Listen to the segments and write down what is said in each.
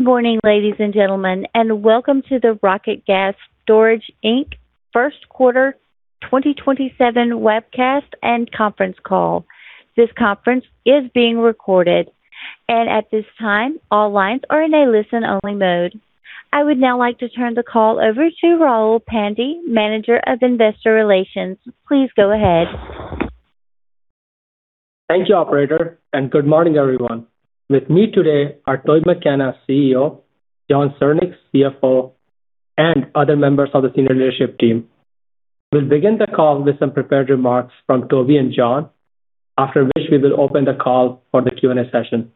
Good morning, ladies and gentlemen, and welcome to the Rockpoint Gas Storage Inc. First Quarter 2027 Webcast and Conference Call. This conference is being recorded, and at this time, all lines are in a listen-only mode. I would now like to turn the call over to Rahul Pandey, Manager of Investor Relations. Please go ahead. Thank you, operator, good morning, everyone. With me today are Toby McKenna, CEO, Jon Syrnyk, CFO, and other members of the senior leadership team. We'll begin the call with some prepared remarks from Toby and Jon, after which we will open the call for the Q&A session.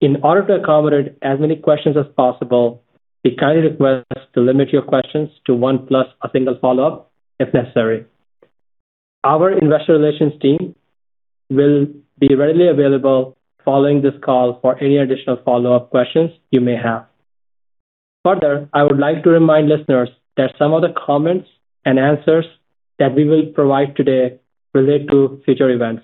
In order to accommodate as many questions as possible, we kindly request to limit your questions to one plus a single follow-up if necessary. Our investor relations team will be readily available following this call for any additional follow-up questions you may have. I would like to remind listeners that some of the comments and answers that we will provide today relate to future events.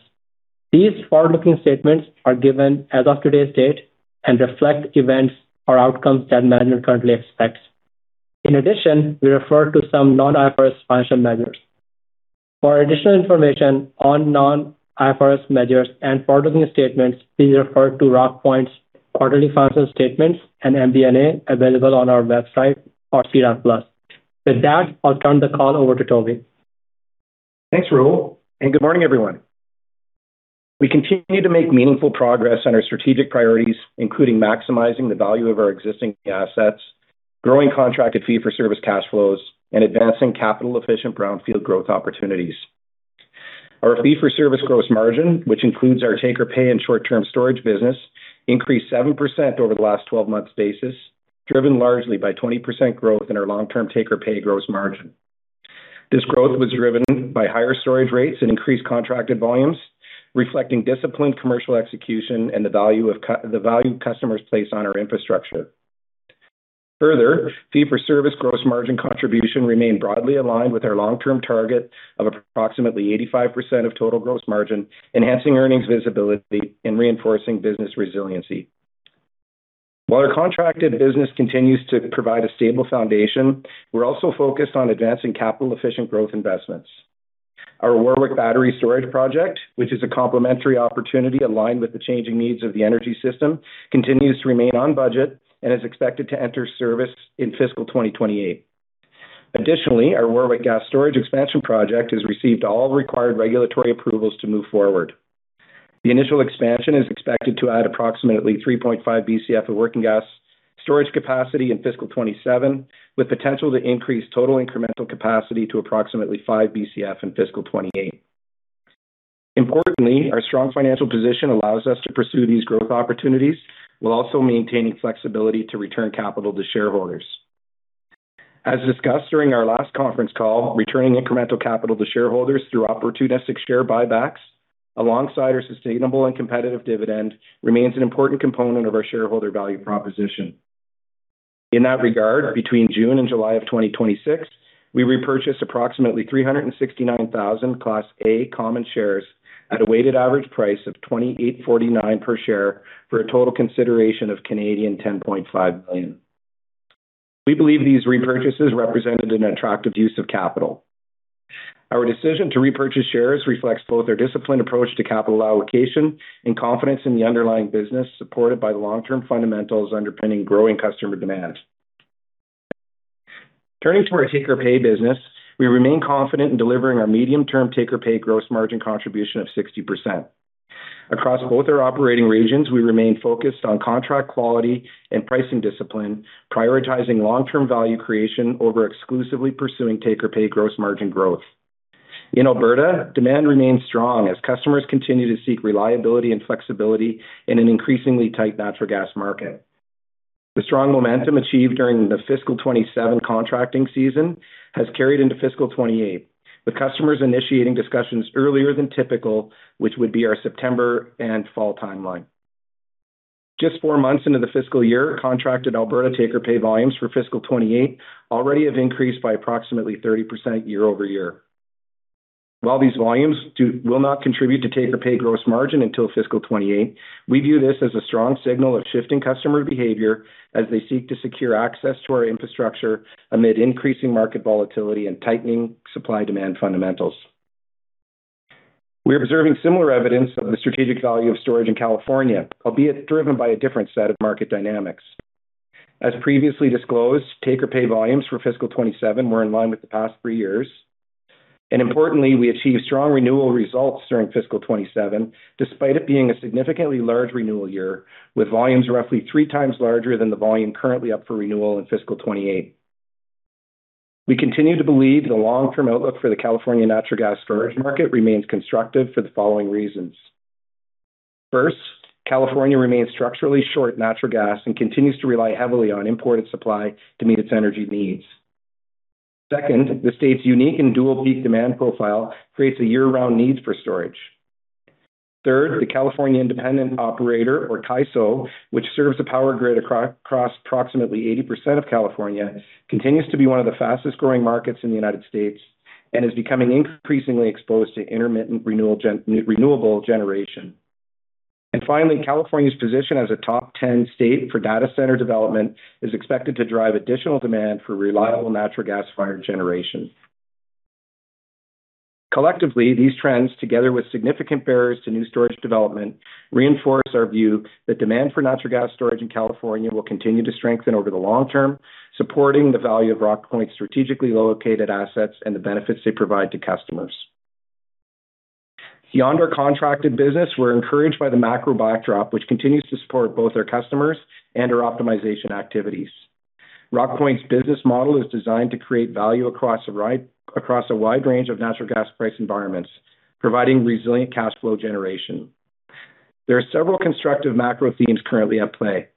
These forward-looking statements are given as of today's date and reflect events or outcomes that management currently expects. In addition, we refer to some non-IFRS financial measures. For additional information on non-IFRS measures and forward-looking statements, please refer to Rockpoint's quarterly financial statements and MD&A available on our website or SEDAR+. I'll turn the call over to Toby. Thanks, Rahul, good morning, everyone. We continue to make meaningful progress on our strategic priorities, including maximizing the value of our existing assets, growing contracted fee-for-service cash flows, and advancing capital-efficient brownfield growth opportunities. Our fee-for-service gross margin, which includes our take-or-pay and short-term storage business, increased 7% over the last 12 months basis, driven largely by 20% growth in our long-term take-or-pay gross margin. This growth was driven by higher storage rates and increased contracted volumes, reflecting disciplined commercial execution and the value customers place on our infrastructure. Fee-for-service gross margin contribution remained broadly aligned with our long-term target of approximately 85% of total gross margin, enhancing earnings visibility and reinforcing business resiliency. While our contracted business continues to provide a stable foundation, we're also focused on advancing capital-efficient growth investments. Our Warwick Battery Storage project, which is a complementary opportunity aligned with the changing needs of the energy system, continues to remain on budget and is expected to enter service in fiscal 2028. Additionally, our Warwick Gas Storage Expansion project has received all required regulatory approvals to move forward. The initial expansion is expected to add approximately 3.5 Bcf of working gas storage capacity in fiscal 2027, with potential to increase total incremental capacity to approximately 5 Bcf in fiscal 2028. Importantly, our strong financial position allows us to pursue these growth opportunities while also maintaining flexibility to return capital to shareholders. As discussed during our last conference call, returning incremental capital to shareholders through opportunistic share buybacks alongside our sustainable and competitive dividend remains an important component of our shareholder value proposition. In that regard, between June and July of 2026, we repurchased approximately 369,000 Class A common shares at a weighted average price of 28.49 per share for a total consideration of 10.5 million. We believe these repurchases represented an attractive use of capital. Our decision to repurchase shares reflects both our disciplined approach to capital allocation and confidence in the underlying business, supported by the long-term fundamentals underpinning growing customer demand. Turning to our take-or-pay business, we remain confident in delivering our medium-term take-or-pay gross margin contribution of 60%. Across both our operating regions, we remain focused on contract quality and pricing discipline, prioritizing long-term value creation over exclusively pursuing take-or-pay gross margin growth. In Alberta, demand remains strong as customers continue to seek reliability and flexibility in an increasingly tight natural gas market. The strong momentum achieved during the fiscal 2027 contracting season has carried into fiscal 2028, with customers initiating discussions earlier than typical, which would be our September and fall timeline. Just four months into the fiscal year, contracted Alberta take-or-pay volumes for fiscal 2028 already have increased by approximately 30% year-over-year. While these volumes will not contribute to take-or-pay gross margin until fiscal 2028, we view this as a strong signal of shifting customer behavior as they seek to secure access to our infrastructure amid increasing market volatility and tightening supply-demand fundamentals. We are observing similar evidence of the strategic value of storage in California, albeit driven by a different set of market dynamics. As previously disclosed, take-or-pay volumes for fiscal 2027 were in line with the past three years. Importantly, we achieved strong renewal results during fiscal 2027, despite it being a significantly large renewal year, with volumes roughly three times larger than the volume currently up for renewal in fiscal 2028. We continue to believe the long-term outlook for the California natural gas storage market remains constructive for the following reasons. First, California remains structurally short in natural gas and continues to rely heavily on imported supply to meet its energy needs. Second, the state's unique and dual peak demand profile creates a year-round need for storage. Third, the California Independent System Operator, or CAISO, which serves the power grid across approximately 80% of California, continues to be one of the fastest-growing markets in the U.S. and is becoming increasingly exposed to intermittent renewable generation. California's position as a top 10 state for data center development is expected to drive additional demand for reliable natural gas-fired generation. Collectively, these trends, together with significant barriers to new storage development, reinforce our view that demand for natural gas storage in California will continue to strengthen over the long-term, supporting the value of Rockpoint's strategically located assets and the benefits they provide to customers. Beyond our contracted business, we're encouraged by the macro backdrop, which continues to support both our customers and our optimization activities. Rockpoint's business model is designed to create value across a wide range of natural gas price environments, providing resilient cash flow generation. There are several constructive macro themes currently at play.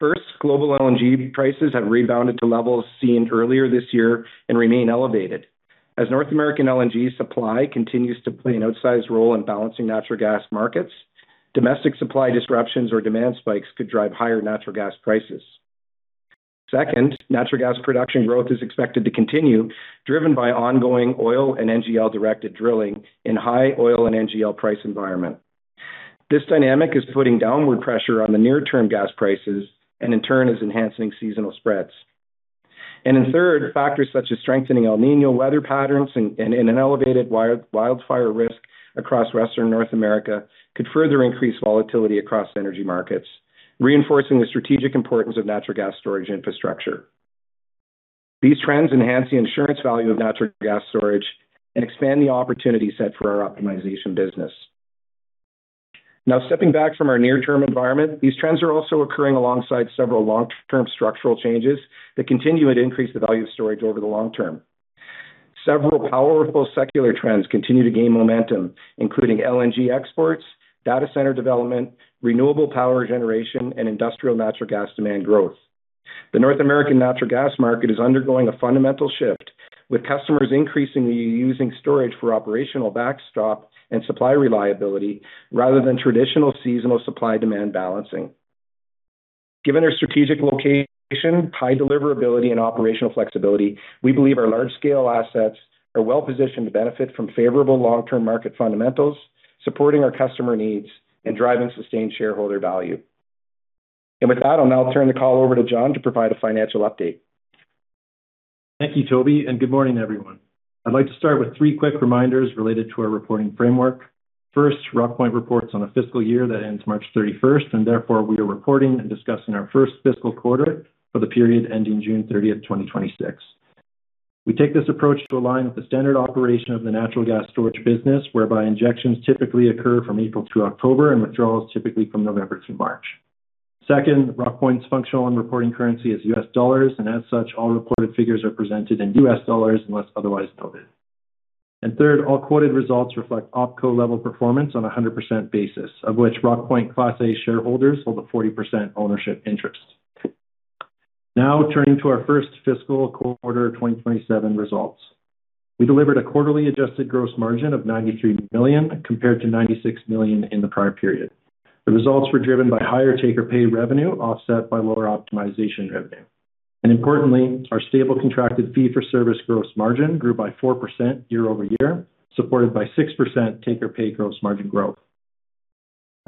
First, global LNG prices have rebounded to levels seen earlier this year and remain elevated. As North American LNG supply continues to play an outsized role in balancing natural gas markets, domestic supply disruptions or demand spikes could drive higher natural gas prices. Second, natural gas production growth is expected to continue, driven by ongoing oil and NGL-directed drilling in high oil and NGL price environment. This dynamic is putting downward pressure on the near-term gas prices and in turn is enhancing seasonal spreads. Third, factors such as strengthening El Niño weather patterns and an elevated wildfire risk across Western North America could further increase volatility across energy markets, reinforcing the strategic importance of natural gas storage infrastructure. These trends enhance the insurance value of natural gas storage and expand the opportunity set for our optimization business. Stepping back from our near-term environment, these trends are also occurring alongside several long-term structural changes that continue and increase the value of storage over the long-term. Several powerful secular trends continue to gain momentum, including LNG exports, data center development, renewable power generation, and industrial natural gas demand growth. The North American natural gas market is undergoing a fundamental shift, with customers increasingly using storage for operational backstop and supply reliability rather than traditional seasonal supply-demand balancing. Given our strategic location, high deliverability, and operational flexibility, we believe our large-scale assets are well-positioned to benefit from favorable long-term market fundamentals, supporting our customer needs and driving sustained shareholder value. With that, I'll now turn the call over to Jon to provide a financial update. Thank you, Toby. Good morning, everyone. I'd like to start with three quick reminders related to our reporting framework. First, Rockpoint reports on a fiscal year that ends March 31st and therefore we are reporting and discussing our first fiscal quarter for the period ending June 30th, 2026. We take this approach to align with the standard operation of the natural gas storage business, whereby injections typically occur from April to October and withdrawals typically from November to March. Second, Rockpoint's functional and reporting currency is U.S. dollars, and as such, all reported figures are presented in U.S. dollars unless otherwise noted. Third, all quoted results reflect OpCo level performance on 100% basis, of which Rockpoint Class A shareholders hold a 40% ownership interest. Turning to our first fiscal quarter 2027 results. We delivered a quarterly adjusted gross margin of $93 million compared to $96 million in the prior-period. The results were driven by higher take-or-pay revenue offset by lower optimization revenue. Importantly, our stable contracted fee-for-service gross margin grew by 4% year-over-year, supported by 6% take-or-pay gross margin growth.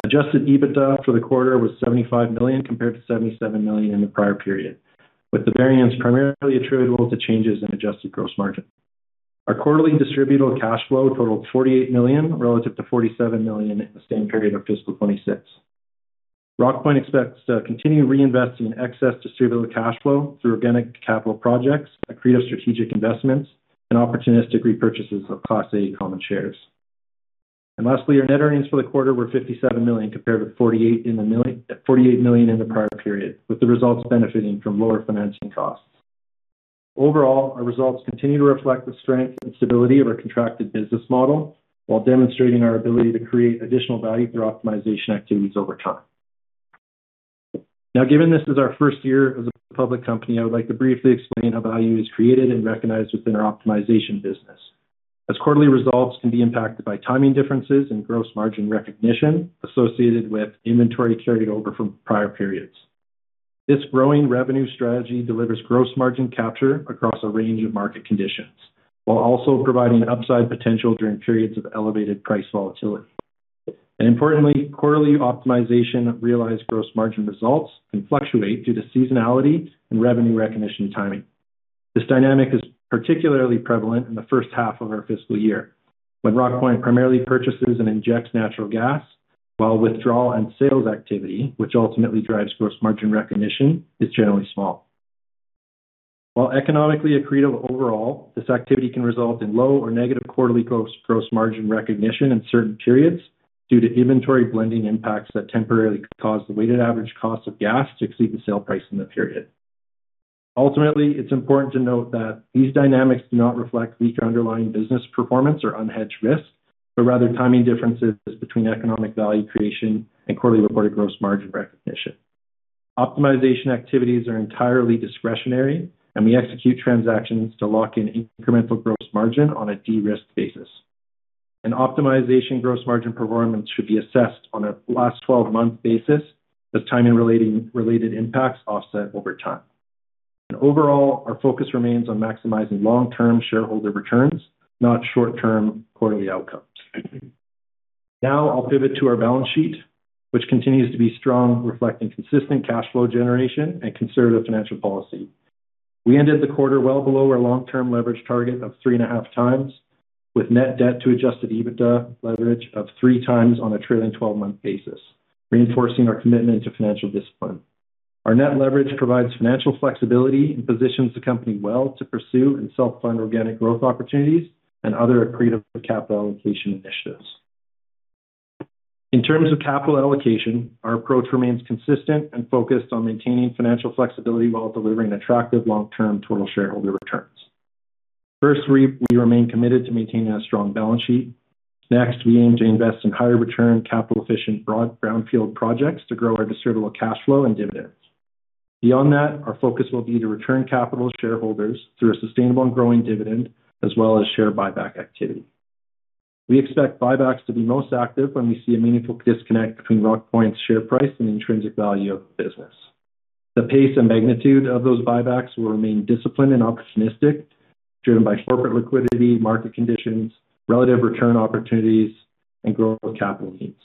Adjusted EBITDA for the quarter was $75 million compared to $77 million in the prior-period, with the variance primarily attributable to changes in adjusted gross margin. Our quarterly distributable cash flow totaled $48 million relative to $47 million in the same period of fiscal 2026. Rockpoint expects to continue reinvesting in excess distributable cash flow through organic capital projects, accretive strategic investments, and opportunistic repurchases of Class A common shares. Lastly, our net earnings for the quarter were $57 million compared to $48 million in the prior-period, with the results benefiting from lower financing costs. Overall, our results continue to reflect the strength and stability of our contracted business model while demonstrating our ability to create additional value through optimization activities over time. Given this is our first year as a public company, I would like to briefly explain how value is created and recognized within our optimization business. As quarterly results can be impacted by timing differences and gross margin recognition associated with inventory carried over from prior-periods. This growing revenue strategy delivers gross margin capture across a range of market conditions, while also providing upside potential during periods of elevated price volatility. Importantly, quarterly optimization realized gross margin results can fluctuate due to seasonality and revenue recognition timing. This dynamic is particularly prevalent in the first half of our fiscal year, when Rockpoint primarily purchases and injects natural gas, while withdrawal and sales activity, which ultimately drives gross margin recognition, is generally small. While economically accretive overall, this activity can result in low or negative quarterly gross margin recognition in certain periods due to inventory blending impacts that temporarily cause the weighted average cost of gas to exceed the sale price in the period. Ultimately, it's important to note that these dynamics do not reflect weaker underlying business performance or unhedged risk, but rather timing differences between economic value creation and quarterly reported gross margin recognition. Optimization activities are entirely discretionary. We execute transactions to lock in incremental gross margin on a de-risked basis. Optimization gross margin performance should be assessed on a last 12-month basis as timing-related impacts offset over time. Overall, our focus remains on maximizing long-term shareholder returns, not short-term quarterly outcomes. I'll pivot to our balance sheet, which continues to be strong, reflecting consistent cash flow generation and conservative financial policy. We ended the quarter well below our long-term leverage target of 3.5x, with net debt to adjusted EBITDA leverage of 3x on a trailing 12-month basis, reinforcing our commitment to financial discipline. Our net leverage provides financial flexibility and positions the company well to pursue and self-fund organic growth opportunities and other accretive capital allocation initiatives. In terms of capital allocation, our approach remains consistent and focused on maintaining financial flexibility while delivering attractive long-term total shareholder returns. First, we remain committed to maintaining a strong balance sheet. Next, we aim to invest in higher return capital efficient broad brownfield projects to grow our distributable cash flow and dividends. Beyond that, our focus will be to return capital to shareholders through a sustainable and growing dividend, as well as share buyback activity. We expect buybacks to be most active when we see a meaningful disconnect between Rockpoint's share price and the intrinsic value of the business. The pace and magnitude of those buybacks will remain disciplined and opportunistic, driven by corporate liquidity, market conditions, relative return opportunities, and growth capital needs.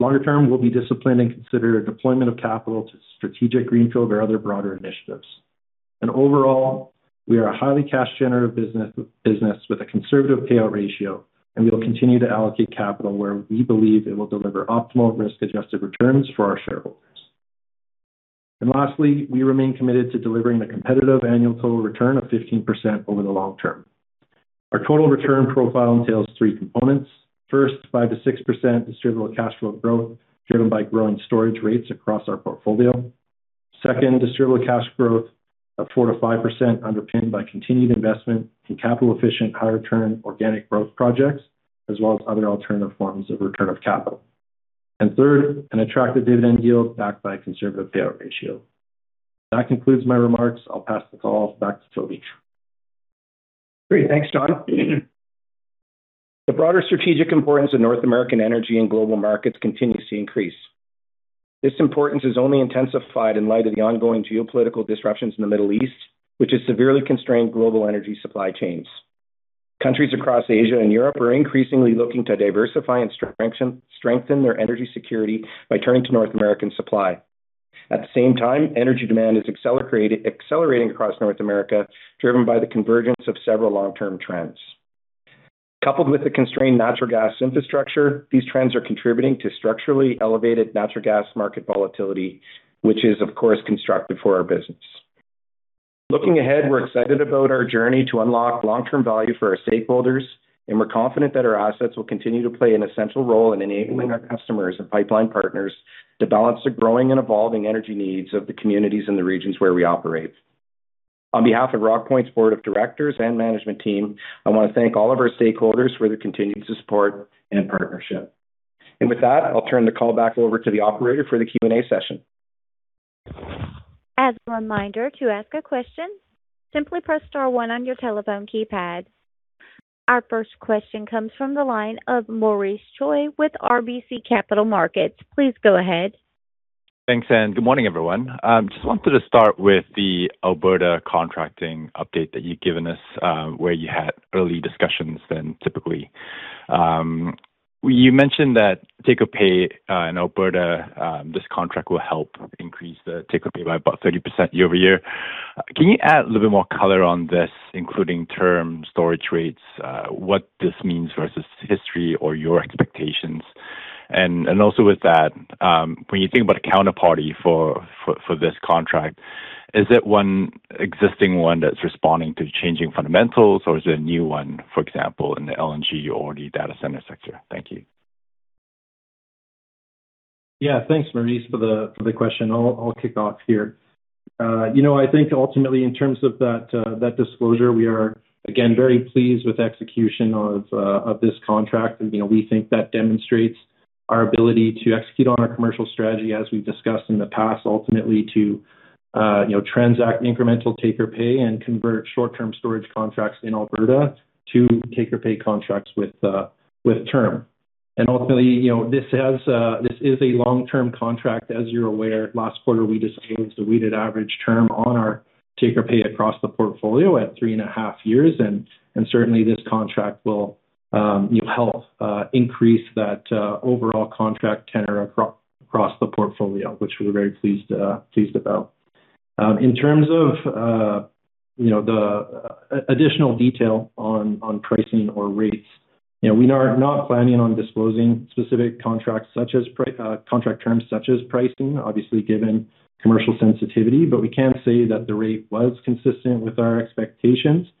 Longer-term, we'll be disciplined and consider deployment of capital to strategic greenfield or other broader initiatives. Overall, we are a highly cash generative business with a conservative payout ratio, and we will continue to allocate capital where we believe it will deliver optimal risk-adjusted returns for our shareholders. Lastly, we remain committed to delivering a competitive annual total return of 15% over the long-term. Our total return profile entails three components. First, 5%-6% distributable cash flow growth driven by growing storage rates across our portfolio. Second, distributable cash growth of 4%-5% underpinned by continued investment in capital efficient, high return organic growth projects, as well as other alternative forms of return of capital. Third, an attractive dividend yield backed by a conservative payout ratio. That concludes my remarks. I'll pass the call back to Toby. Great. Thanks, Jon. The broader strategic importance of North American energy and global markets continues to increase. This importance is only intensified in light of the ongoing geopolitical disruptions in the Middle East, which has severely constrained global energy supply chains. Countries across Asia and Europe are increasingly looking to diversify and strengthen their energy security by turning to North American supply. At the same time, energy demand is accelerating across North America, driven by the convergence of several long-term trends. Coupled with the constrained natural gas infrastructure, these trends are contributing to structurally elevated natural gas market volatility, which is, of course, constructive for our business. Looking ahead, we're excited about our journey to unlock long-term value for our stakeholders, and we're confident that our assets will continue to play an essential role in enabling our customers and pipeline partners to balance the growing and evolving energy needs of the communities and the regions where we operate. On behalf of Rockpoint's Board of Directors and management team, I want to thank all of our stakeholders for their continued support and partnership. With that, I'll turn the call back over to the operator for the Q&A session. As a reminder, to ask a question, simply press star one on your telephone keypad. Our first question comes from the line of Maurice Choy with RBC Capital Markets. Please go ahead. Thanks, good morning, everyone. Just wanted to start with the Alberta contracting update that you'd given us, where you had early discussions than typically. You mentioned that take-or-pay in Alberta, this contract will help increase the take-or-pay by about 30% year-over-year. Can you add a little bit more color on this, including term storage rates, what this means versus history or your expectations? Also with that, when you think about a counterparty for this contract, is it one existing one that's responding to changing fundamentals or is it a new one, for example, in the LNG or the data center sector? Thank you. Yeah. Thanks, Maurice, for the question. I'll kick off here. I think ultimately in terms of that disclosure, we are again, very pleased with execution of this contract. We think that demonstrates our ability to execute on our commercial strategy as we've discussed in the past, ultimately to transact incremental take-or-pay and convert short-term storage contracts in Alberta to take-or-pay contracts with term. Ultimately, this is a long-term contract. As you're aware, last quarter we disclosed a weighted average term on our take-or-pay across the portfolio at three and a half years, certainly this contract will help increase that overall contract tenor across the portfolio, which we're very pleased about. In terms of the additional detail on pricing or rates, we are not planning on disclosing specific contract terms such as pricing, obviously, given commercial sensitivity, but we can say that the rate was consistent with our expectations and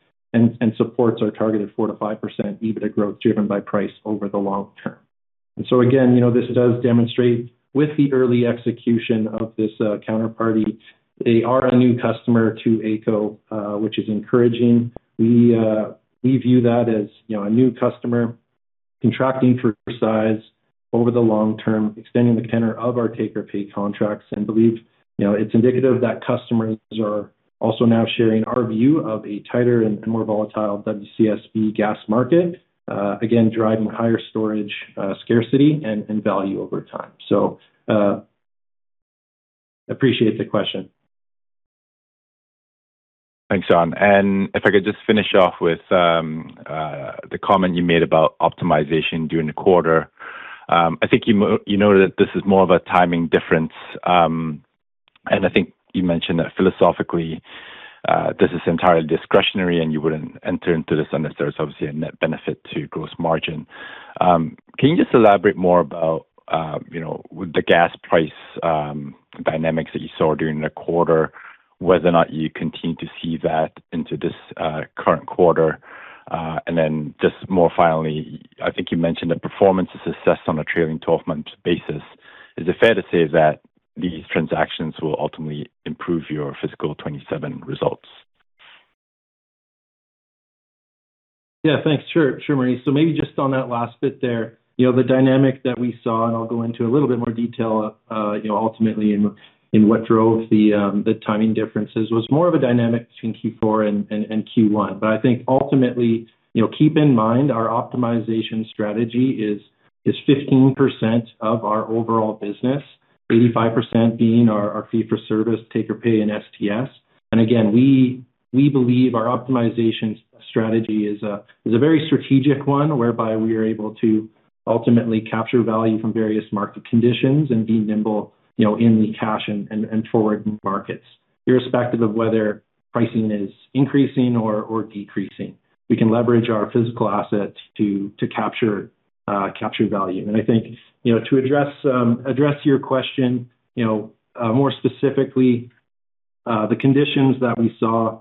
supports our target of 4%-5% EBITDA growth driven by price over the long-term. Again, this does demonstrate with the early execution of this counterparty, they are a new customer to AECO, which is encouraging. We view that as a new customer contracting for size over the long term, extending the tenor of our take-or-pay contracts, and believe it's indicative that customers are also now sharing our view of a tighter and more volatile WCSB gas market, again, driving higher storage scarcity and value over time. Appreciate the question. Thanx, Jon. If I could just finish off with the comment you made about optimization during the quarter. You noted that this is more of a timing difference. You mentioned that philosophically, this is entirely discretionary and you wouldn't enter into this unless there's obviously a net benefit to gross margin. Can you just elaborate more about the gas price dynamics that you saw during the quarter, whether or not you continue to see that into this current quarter? You mentioned that performance is assessed on a trailing 12-month basis. Is it fair to say that these transactions will ultimately improve your fiscal 2027 results? Yeah, thanks. Sure, Maurice. Maybe just on that last bit there, the dynamic that we saw, I'll go into a little bit more detail, ultimately in what drove the timing differences was more of a dynamic between Q4 and Q1. Ultimately, keep in mind, our optimization strategy is 15% of our overall business, 85% being our fee-for-service, take-or-pay in STS. We believe our optimization strategy is a very strategic one, whereby we are able to ultimately capture value from various market conditions and be nimble in the cash and forward markets. Irrespective of whether pricing is increasing or decreasing. We can leverage our physical assets to capture value. To address your question more specifically, the conditions that we saw,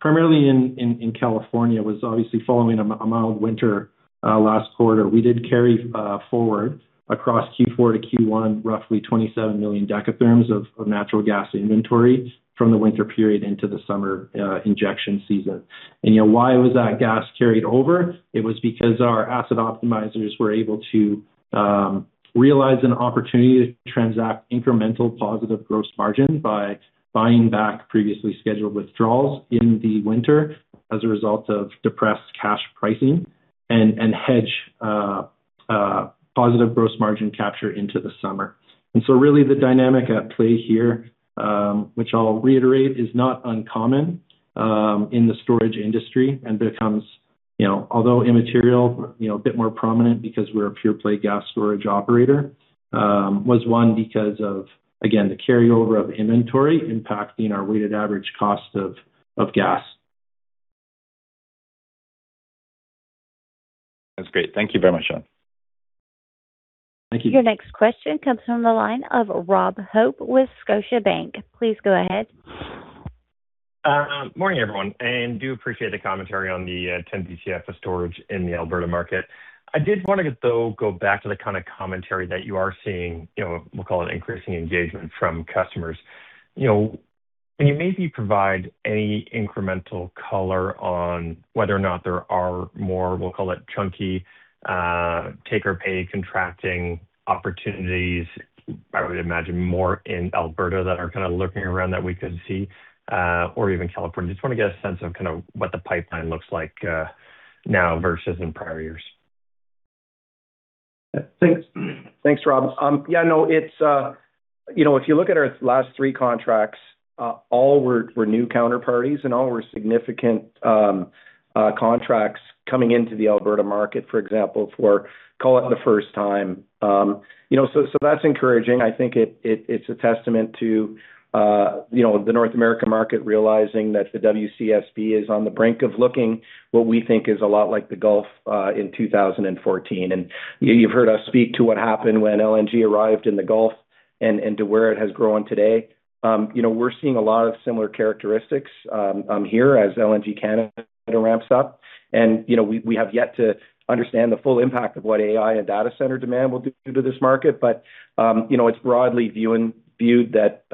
primarily in California, was obviously following a mild winter last quarter. We did carry forward across Q4 to Q1, roughly 27 million dekatherms of natural gas inventory from the winter period into the summer injection season. Why was that gas carried over? It was because our asset optimizers were able to realize an opportunity to transact incremental positive gross margin by buying back previously scheduled withdrawals in the winter as a result of depressed cash pricing and hedge positive gross margin capture into the summer. Really the dynamic at play here, which I'll reiterate, is not uncommon in the storage industry and becomes, although immaterial, a bit more prominent because we're a pure-play gas storage operator. Was one because of, again, the carryover of inventory impacting our weighted average cost of gas. That's great. Thank you very much, Jon. Thank you. Your next question comes from the line of Rob Hope with Scotiabank. Please go ahead. Morning, everyone. Do appreciate the commentary on the 10 Bcf of storage in the Alberta market. I did want to though go back to the kind of commentary that you are seeing, we'll call it increasing engagement from customers. Can you maybe provide any incremental color on whether or not there are more, we'll call it chunky, take-or-pay contracting opportunities, I would imagine more in Alberta that are kind of lurking around that we could see, or even California. Just want to get a sense of kind of what the pipeline looks like now versus in prior-years. Thanks, Rob. If you look at our last three contracts, all were new counterparties and all were significant contracts coming into the Alberta market, for example, for call it the first time. That's encouraging. I think it's a testament to the North American market realizing that the WCSB is on the brink of looking what we think is a lot like the Gulf in 2014. You've heard us speak to what happened when LNG arrived in the Gulf and to where it has grown today. We're seeing a lot of similar characteristics here as LNG Canada ramps up. We have yet to understand the full impact of what AI and data center demand will do to this market. It's broadly viewed that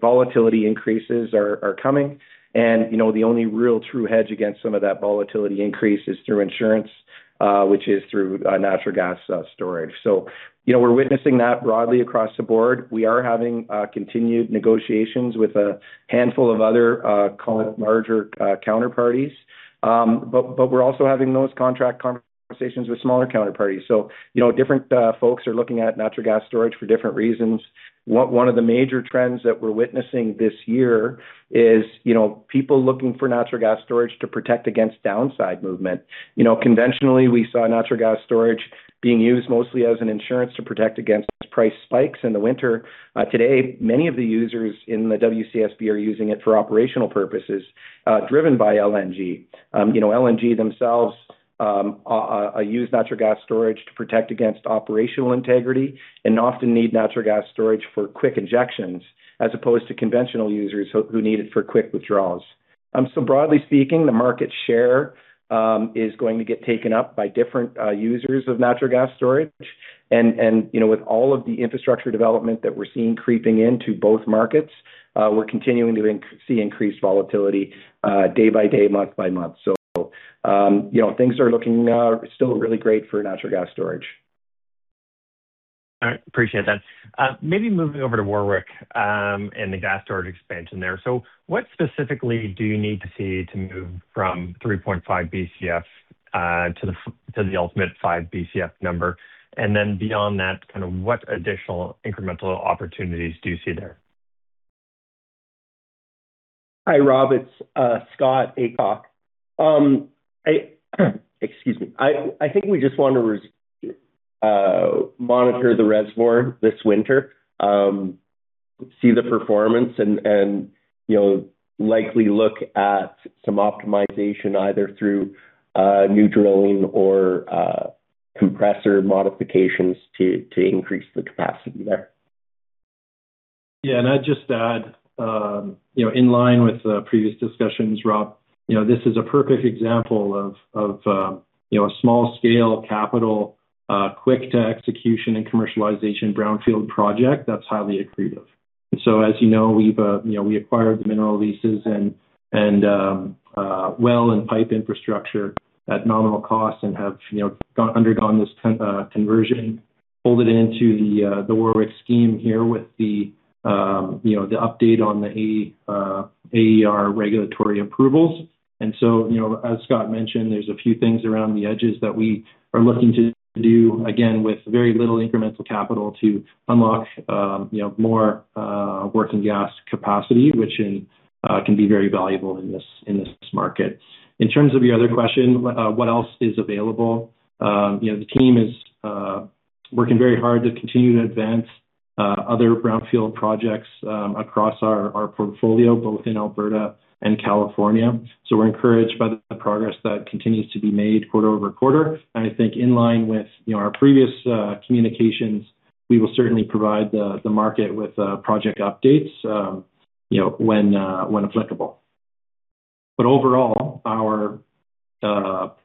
volatility increases are coming. The only real true hedge against some of that volatility increase is through insurance, which is through natural gas storage. We're witnessing that broadly across the board. We are having continued negotiations with a handful of other, call it larger counterparties. We're also having those contract conversations with smaller counterparties. Different folks are looking at natural gas storage for different reasons. One of the major trends that we are witnessing this year is people looking for natural gas storage to protect against downside movement. Conventionally, we saw natural gas storage being used mostly as an insurance to protect against price spikes in the winter. Today, many of the users in the WCSB are using it for operational purposes, driven by LNG. LNG themselves use natural gas storage to protect against operational integrity and often need natural gas storage for quick injections as opposed to conventional users who need it for quick withdrawals. Broadly speaking, the market share is going to get taken up by different users of natural gas storage. With all of the infrastructure development that we're seeing creeping into both markets. We're continuing to see increased volatility day-by-day, month-by-month. Things are looking still really great for natural gas storage. All right. Appreciate that. Maybe moving over to Warwick and the gas storage expansion there. What specifically do you need to see to move from 3.5 Bcf to the ultimate 5 Bcf number? Then beyond that, what additional incremental opportunities do you see there? Hi, Rob, it's Scott Aycock. Excuse me. I think we just want to monitor the reservoir this winter, see the performance and likely look at some optimization, either through new drilling or compressor modifications to increase the capacity there. I'd just add, in line with previous discussions, Rob, this is a perfect example of a small scale capital, quick to execution and commercialization brownfield project that's highly accretive. As you know, we acquired the mineral leases and well and pipe infrastructure at nominal cost and have undergone this conversion, fold it into the Warwick scheme here with the update on the AER regulatory approvals. As Scott mentioned, there's a few things around the edges that we are looking to do, again, with very little incremental capital to unlock more working gas capacity, which can be very valuable in this market. In terms of your other question, what else is available? The team is working very hard to continue to advance other brownfield projects across our portfolio, both in Alberta and California. We're encouraged by the progress that continues to be made quarter-over-quarter. I think in line with our previous communications, we will certainly provide the market with project updates when applicable. Overall, our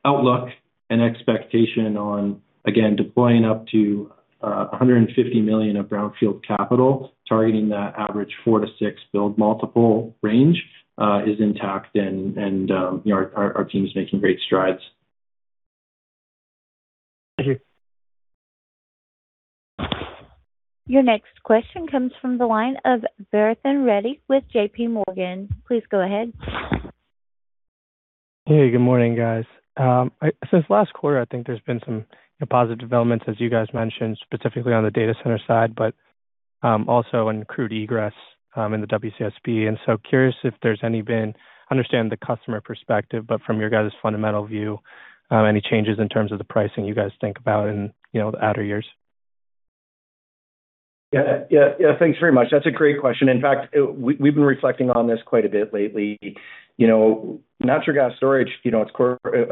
outlook and expectation on, again, deploying up to $150 million of brownfield capital, targeting that average four to six build multiple range, is intact and our team's making great strides. Thank you. Your next question comes from the line of [Varun Reddy] with JPMorgan. Please go ahead. Hey, good morning, guys. Since last quarter, I think there's been some positive developments as you guys mentioned, specifically on the data center side, but also in crude egress in the WCSB. Curious if there's any been, understand the customer perspective, but from your guys' fundamental view, any changes in terms of the pricing you guys think about in the outer years? Yeah. Thanks very much. That's a great question. In fact, we've been reflecting on this quite a bit lately. Natural gas storage, of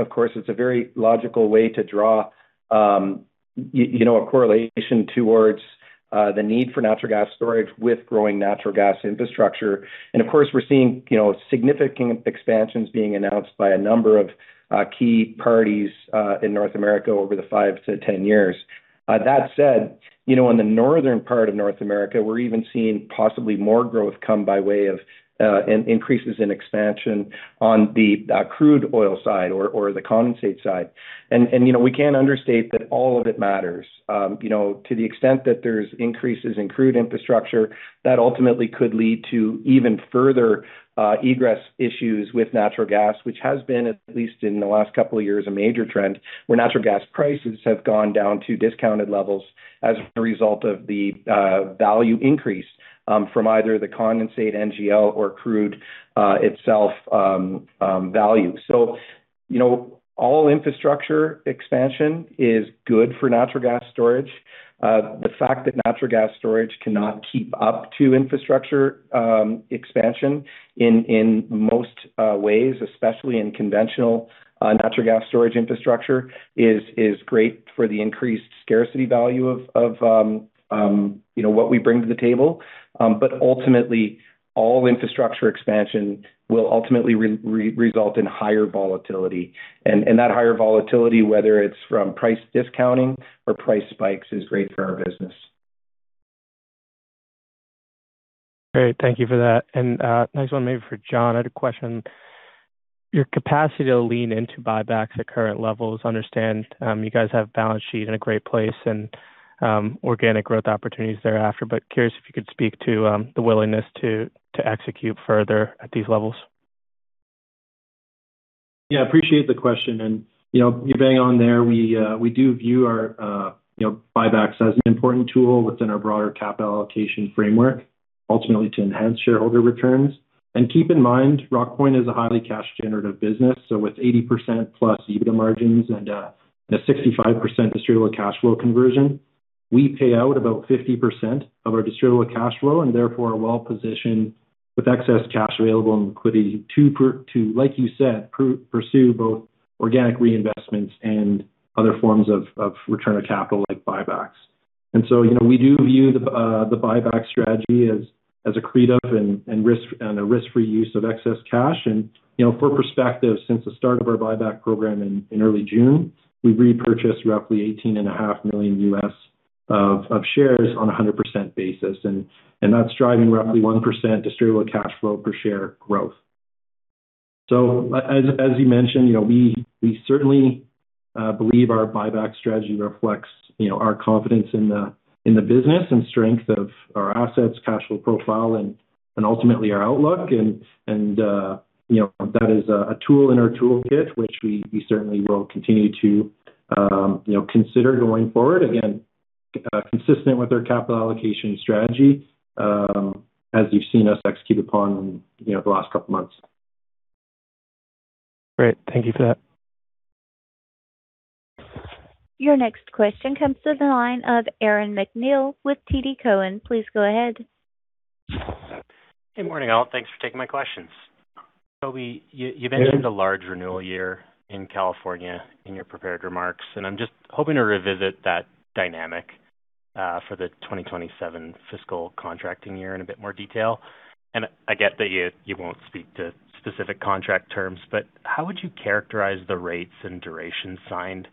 course, it's a very logical way to draw a correlation towards the need for natural gas storage with growing natural gas infrastructure. We're seeing significant expansions being announced by a number of key parties in North America over the 5 to 10 years. That said, in the northern part of North America, we're even seeing possibly more growth come by way of increases in expansion on the crude oil side or the condensate side. We can't understate that all of it matters. To the extent that there's increases in crude infrastructure, that ultimately could lead to even further egress issues with natural gas, which has been, at least in the last couple of years, a major trend where natural gas prices have gone down to discounted levels as a result of the value increase from either the condensate NGL or crude itself value. All infrastructure expansion is good for natural gas storage. The fact that natural gas storage cannot keep up to infrastructure expansion in most ways, especially in conventional natural gas storage infrastructure, is great for the increased scarcity value of what we bring to the table. All infrastructure expansion will ultimately result in higher volatility. That higher volatility, whether it's from price discounting or price spikes, is great for our business. Great. Thank you for that. Next one maybe for Jon. I had a question. Your capacity to lean into buybacks at current levels. Understand you guys have balance sheet in a great place and organic growth opportunities thereafter, curious if you could speak to the willingness to execute further at these levels. Yeah, appreciate the question. You're bang on there. We do view our buybacks as an important tool within our broader capital allocation framework, ultimately to enhance shareholder returns. Keep in mind, Rockpoint is a highly cash generative business. With 80%+ EBITDA margins and a 65% distributable cash flow conversion, we pay out about 50% of our distributable cash flow, and therefore are well positioned with excess cash available and liquidity to, like you said, pursue both organic reinvestments and other forms of return of capital, like buybacks. We do view the buyback strategy as accretive and a risk-free use of excess cash. For perspective, since the start of our buyback program in early June, we've repurchased roughly $18.5 million of shares on 100% basis. That's driving roughly 1% distributable cash flow per share growth. As you mentioned, we certainly believe our buyback strategy reflects our confidence in the business and strength of our assets, cash flow profile, and ultimately our outlook. That is a tool in our toolkit which we certainly will continue to consider going forward. Again, consistent with our capital allocation strategy, as you've seen us execute upon the last couple of months. Great. Thank you for that. Your next question comes to the line of Aaron MacNeil with TD Cowen. Please go ahead. Good morning, all. Thanks for taking my questions. Toby. Yeah. Mentioned a large renewal year in California in your prepared remarks, and I'm just hoping to revisit that dynamic for the 2027 fiscal contracting year in a bit more detail. I get that you won't speak to specific contract terms, but how would you characterize the rates and durations signed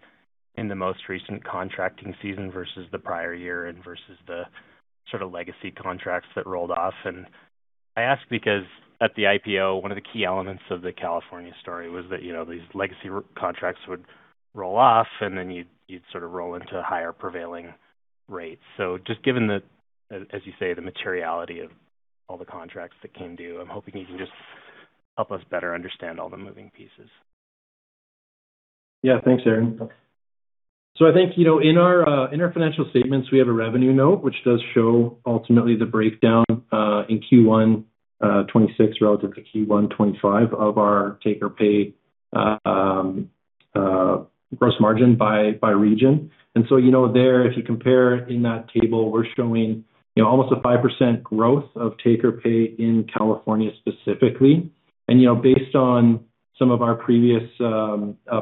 in the most recent contracting season versus the prior-year and versus the sort of legacy contracts that rolled off? I ask because at the IPO, one of the key elements of the California story was that these legacy contracts would roll off, and then you'd sort of roll into higher prevailing rates. Just given the, as you say, the materiality of all the contracts that came due, I'm hoping you can just help us better understand all the moving pieces. Yeah. Thanks, Aaron. I think, in our financial statements, we have a revenue note, which does show ultimately the breakdown in Q1 2026 relative to Q1 2025 of our take-or-pay gross margin by region. So, there, if you compare in that table, we're showing almost a 5% growth of take-or-pay in California specifically. Based on some of our previous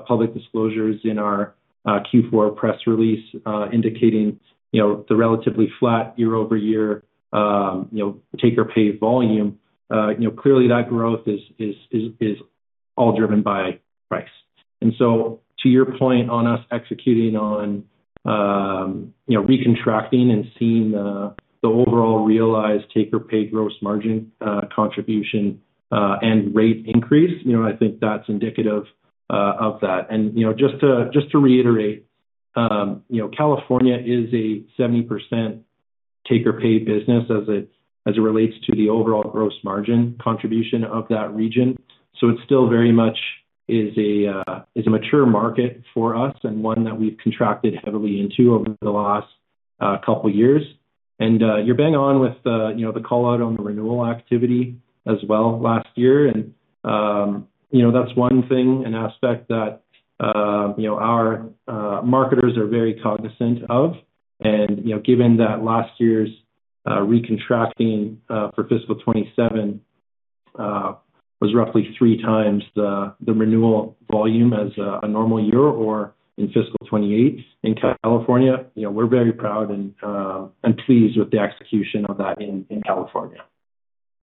public disclosures in our Q4 press release indicating the relatively flat year-over-year take-or-pay volume, clearly that growth is all driven by price. So to your point on us executing on recontracting and seeing the overall realized take-or-pay gross margin contribution and rate increase, I think that's indicative of that. Just to reiterate, California is a 70% take-or-pay business as it relates to the overall gross margin contribution of that region. It still very much is a mature market for us and one that we've contracted heavily into over the last couple years. You're bang on with the call-out on the renewal activity as well last year. That's one thing, an aspect that our marketers are very cognizant of. Given that last year's recontracting for fiscal 2027 was roughly three times the renewal volume as a normal year or in fiscal 2028 in California. We're very proud and pleased with the execution of that in California.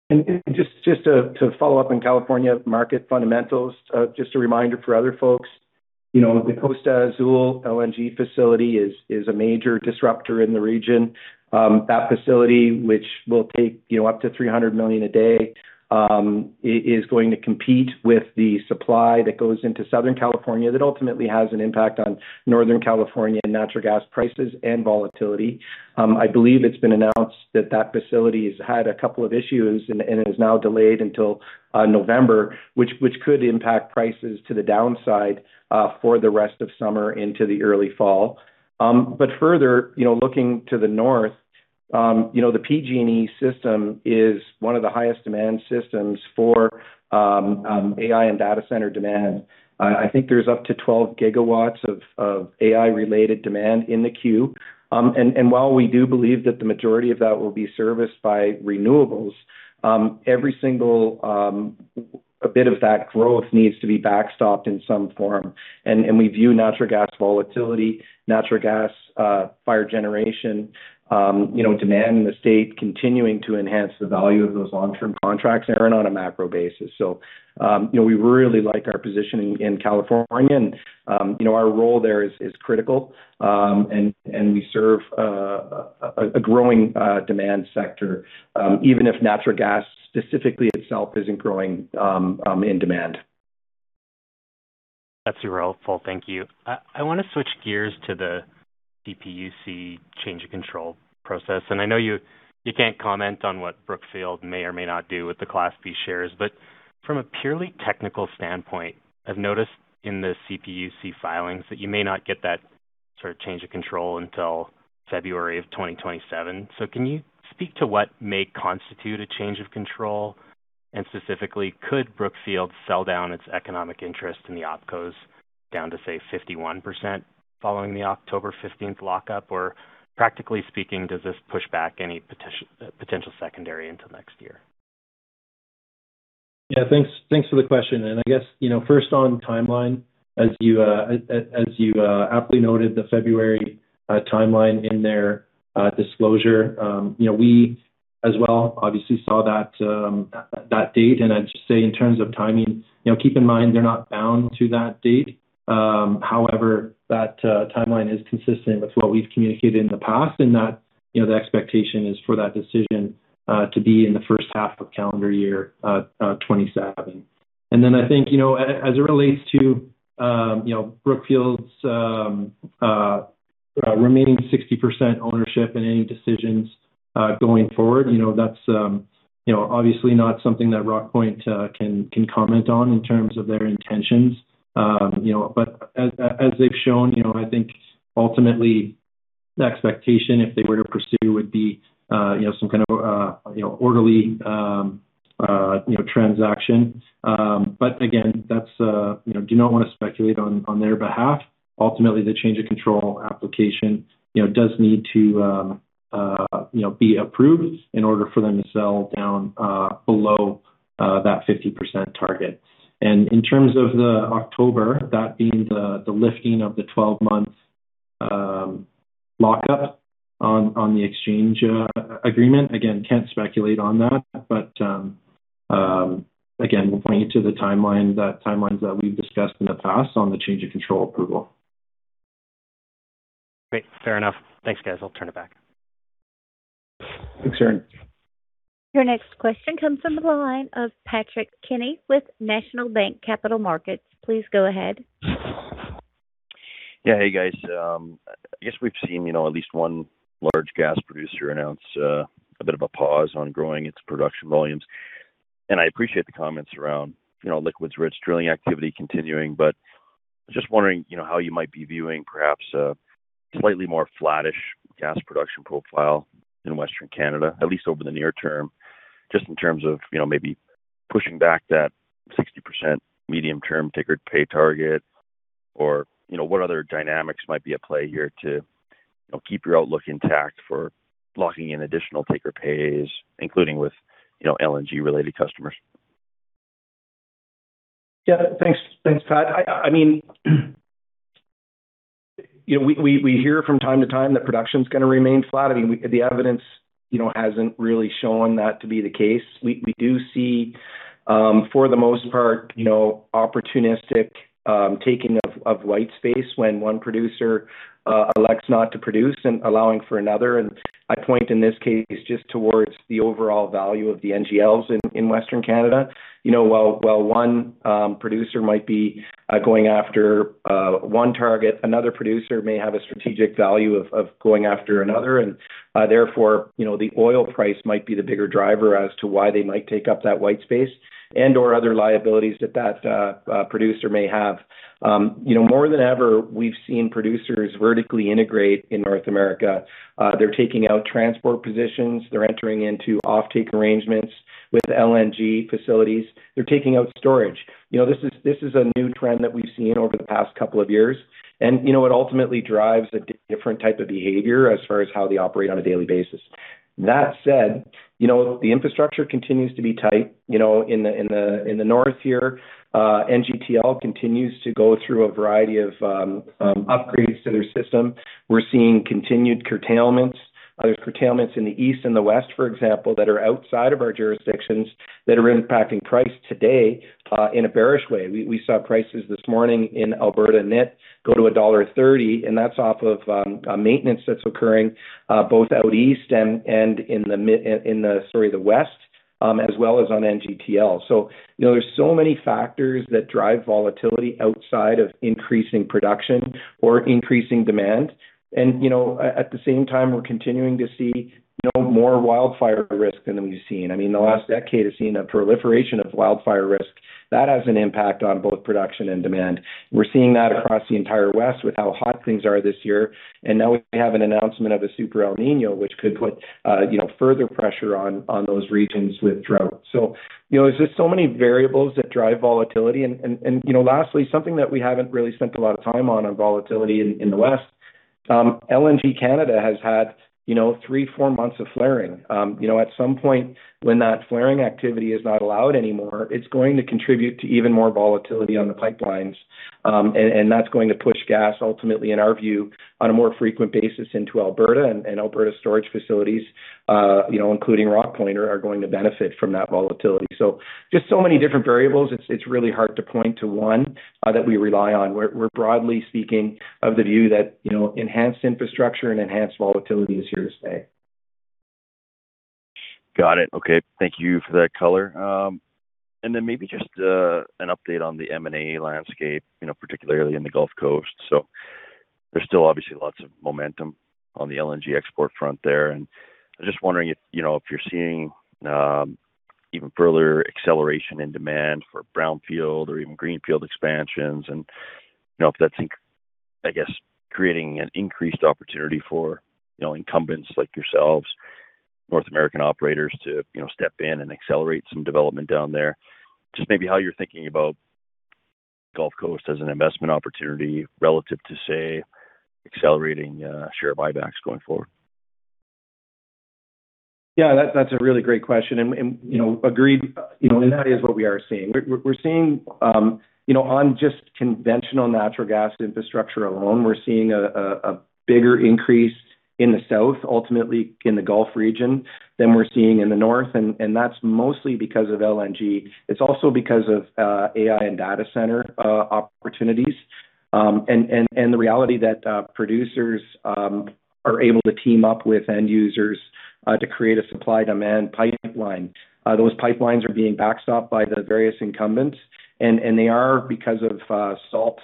Just to follow-up on California market fundamentals, just a reminder for other folks. The Costa Azul LNG facility is a major disruptor in the region. That facility, which will take up to 300 million a day, is going to compete with the supply that goes into Southern California that ultimately has an impact on Northern California natural gas prices and volatility. I believe it's been announced that that facility has had a couple of issues and is now delayed until November, which could impact prices to the downside for the rest of summer into the early fall. Further, looking to the north, the PG&E system is one of the highest demand systems for AI and data center demand. I think there's up to 12 GW of AI-related demand in the queue. While we do believe that the majority of that will be serviced by renewables, every single bit of that growth needs to be backstopped in some form. We view natural gas volatility, natural gas fire generation demand in the state continuing to enhance the value of those long-term contracts, [Aaron], on a macro basis. We really like our position in California and our role there is critical. We serve a growing demand sector, even if natural gas specifically itself isn't growing in demand. That's super helpful. Thank you. I want to switch gears to the CPUC change of control process. I know you can't comment on what Brookfield may or may not do with the Class B shares. From a purely technical standpoint, I've noticed in the CPUC filings that you may not get that sort of change of control until February of 2027. Can you speak to what may constitute a change of control? Specifically, could Brookfield sell down its economic interest in the OpCos down to, say, 51% following the October 15th lock-up? Practically speaking, does this push back any potential secondary until next year? Thanks for the question. I guess first on timeline, as you aptly noted, the February timeline in their disclosure. We, as well, obviously saw that date, and I'd just say in terms of timing, keep in mind they're not bound to that date. However, that timeline is consistent with what we've communicated in the past, and that the expectation is for that decision to be in the first half of calendar year 2027. Then I think, as it relates to Brookfield's remaining 60% ownership in any decisions going forward, that's obviously not something that Rockpoint can comment on in terms of their intentions. As they've shown, I think ultimately the expectation, if they were to pursue, would be some kind of orderly transaction. Again, do not want to speculate on their behalf. Ultimately, the change of control application does need to be approved in order for them to sell down below that 50% target. In terms of the October, that being the lifting of the 12-month lockup on the exchange agreement, again, can't speculate on that. Again, we'll point you to the timelines that we've discussed in the past on the change of control approval. Great. Fair enough. Thanks, guys. I'll turn it back. Thanks, Aaron. Your next question comes from the line of Patrick Kenny with National Bank Capital Markets. Please go ahead. Yeah. Hey, guys. I guess we have seen at least one large gas producer announce a bit of a pause on growing its production volumes. I appreciate the comments around liquids rich drilling activity continuing. Just wondering how you might be viewing perhaps a slightly more flattish gas production profile in Western Canada, at least over the near-term, just in terms of maybe pushing back that 60% medium-term take-or-pay target, or what other dynamics might be at play here to keep your outlook intact for locking in additional take-or-pays, including with LNG-related customers. Yeah. Thanks, Pat. We hear from time to time that production's going to remain flat. The evidence hasn't really shown that to be the case. We do see, for the most part, opportunistic taking of white space when one producer elects not to produce and allowing for another. I point, in this case, just towards the overall value of the NGLs in Western Canada. While one producer might be going after one target, another producer may have a strategic value of going after another, and therefore the oil price might be the bigger driver as to why they might take up that white space and/or other liabilities that producer may have. More than ever, we've seen producers vertically integrate in North America. They're taking out transport positions. They're entering into offtake arrangements with LNG facilities. They're taking out storage. This is a new trend that we've seen over the past couple of years. It ultimately drives a different type of behavior as far as how they operate on a daily basis. That said, the infrastructure continues to be tight. In the north here, NGTL continues to go through a variety of upgrades to their system. We're seeing continued curtailments. There's curtailments in the east and the west, for example, that are outside of our jurisdictions that are impacting price today in a bearish way. We saw prices this morning in Alberta net go to dollar 1.30. That's off of a maintenance that's occurring both out east and in the west, as well as on NGTL. There's so many factors that drive volatility outside of increasing production or increasing demand. At the same time, we're continuing to see more wildfire risk than we've seen. The last decade has seen a proliferation of wildfire risk. That has an impact on both production and demand. We're seeing that across the entire west with how hot things are this year, and now we have an announcement of a Super El Niño, which could put further pressure on those regions with drought. There's just so many variables that drive volatility, and lastly, something that we haven't really spent a lot of time on volatility in the west, LNG Canada has had three, four months of flaring. At some point when that flaring activity is not allowed anymore, it's going to contribute to even more volatility on the pipelines, and that's going to push gas ultimately, in our view, on a more frequent basis into Alberta and Alberta storage facilities, including Rockpoint, are going to benefit from that volatility. Just so many different variables, it's really hard to point to one that we rely on. We're broadly speaking of the view that enhanced infrastructure and enhanced volatility is here to stay. Got it. Okay. Thank you for that color. Then maybe just an update on the M&A landscape, particularly in the Gulf Coast. There's still obviously lots of momentum on the LNG export front there, and I'm just wondering if you're seeing even further acceleration in demand for brownfield or even greenfield expansions, and if that's, I guess, creating an increased opportunity for incumbents like yourselves, North American operators to step in and accelerate some development down there. Just maybe how you're thinking about Gulf Coast as an investment opportunity relative to, say, accelerating share buybacks going forward. That's a really great question. Agreed, that is what we are seeing. On just conventional natural gas infrastructure alone, we're seeing a bigger increase in the South, ultimately in the Gulf region, than we're seeing in the North, and that's mostly because of LNG. It's also because of AI and data center opportunities. And the reality that producers are able to team up with end users to create a supply/demand pipeline. Those pipelines are being backstopped by the various incumbents, and they are, because of salt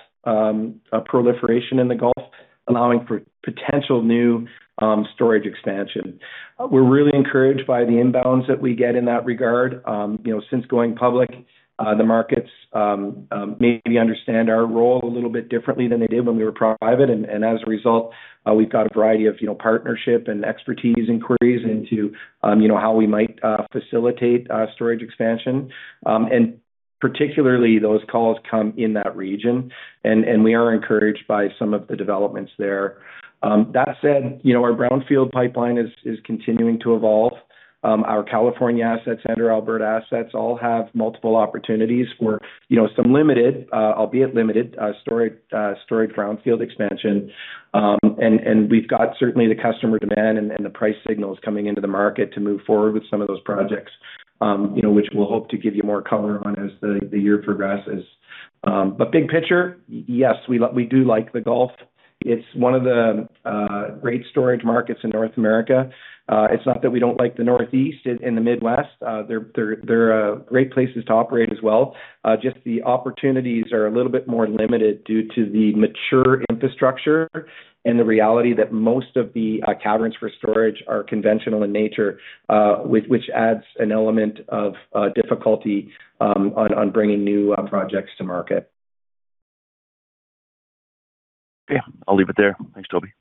proliferation in the Gulf, allowing for potential new storage expansion. We're really encouraged by the inbounds that we get in that regard. Since going public, the markets maybe understand our role a little bit differently than they did when we were private. And as a result, we've got a variety of partnership and expertise inquiries into how we might facilitate storage expansion. Particularly, those calls come in that region, and we are encouraged by some of the developments there. That said, our brownfield pipeline is continuing to evolve. Our California assets and our Alberta assets all have multiple opportunities for some limited, albeit limited, storage brownfield expansion. We've got, certainly, the customer demand and the price signals coming into the market to move forward with some of those projects, which we'll hope to give you more color on as the year progresses. Big picture, yes, we do like the Gulf. It's one of the great storage markets in North America. It's not that we don't like the Northeast and the Midwest. They're great places to operate as well. Just the opportunities are a little bit more limited due to the mature infrastructure and the reality that most of the caverns for storage are conventional in nature, which adds an element of difficulty on bringing new projects to market. Okay. I'll leave it there. Thanks, Toby.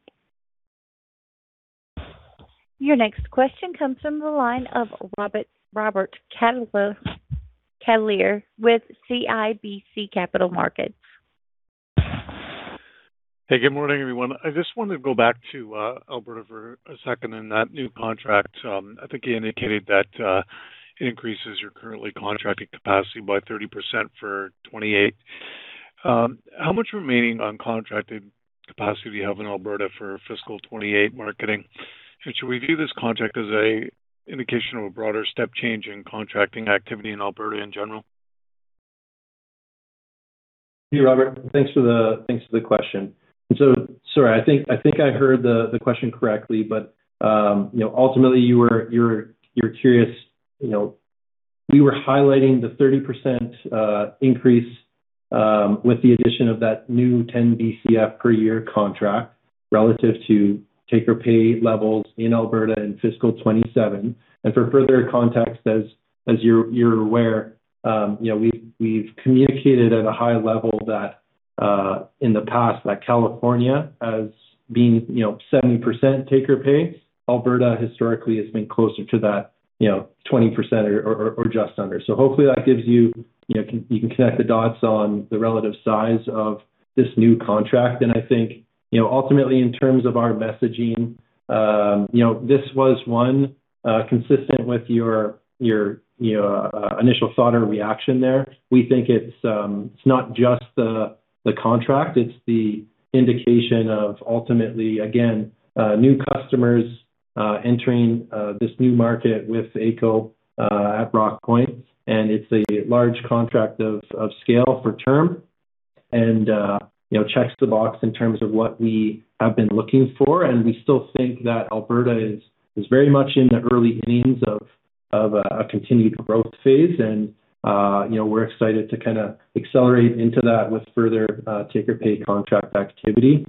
Your next question comes from the line of Robert Catellier with CIBC Capital Markets. Hey, good morning, everyone. I just wanted to go back to Alberta for a second and that new contract. I think you indicated that it increases your currently contracted capacity by 30% for 2028. How much remaining uncontracted capacity do you have in Alberta for fiscal 2028 marketing? Should we view this contract as an indication of a broader step change in contracting activity in Alberta in general? Hey, Robert. Thanks for the question. Sorry, I think I heard the question correctly, but ultimately you were curious. We were highlighting the 30% increase with the addition of that new 10 Bcf per year contract relative to take-or-pay levels in Alberta in fiscal 2027. For further context, as you're aware, we've communicated at a high level that in the past that California as being 70% take-or-pay. Alberta historically has been closer to that 20% or just under. Hopefully that gives you can connect the dots on the relative size of this new contract. I think ultimately in terms of our messaging, this was one consistent with your initial thought or reaction there. We think it's not just the contract, it's the indication of ultimately, again, new customers entering this new market with AECO at Rockpoint. It's a large contract of scale for term and checks the box in terms of what we have been looking for. We still think that Alberta is very much in the early innings of a continued growth phase. We're excited to kind of accelerate into that with further take-or-pay contract activity